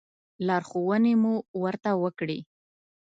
لارښوونې مو ورته وکړې.